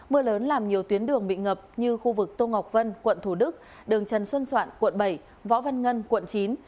mưa lớn làm nhiều tuyến đường bị ngập như khu vực tô ngọc vân quận thủ đức đường trần xuân soạn quận bảy võ văn ngân quận chín